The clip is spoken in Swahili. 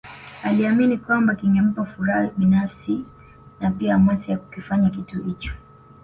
Aliamini kwamba kingempa furaha binafsi na pia hamasa ya kukifanya kitu hicho